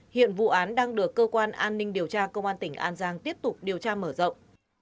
hiện vụ án đang được cơ quan an ninh điều tra công an tỉnh an giang tiếp tục điều tra mở rộng